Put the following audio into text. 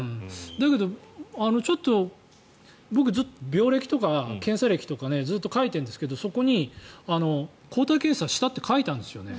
だけどちょっと僕病歴とか検査歴とかずっと書いているんですけどそこに抗体検査したって書いてあるんですよね。